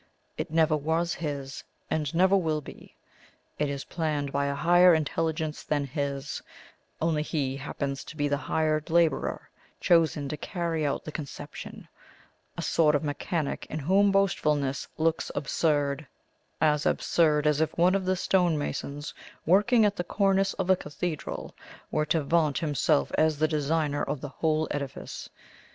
It never was his, and never will be. It is planned by a higher intelligence than his, only he happens to be the hired labourer chosen to carry out the conception; a sort of mechanic in whom boastfulness looks absurd; as absurd as if one of the stonemasons working at the cornice of a cathedral were to vaunt himself as the designer of the whole edifice.